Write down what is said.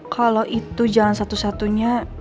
kalo itu jalan satu satunya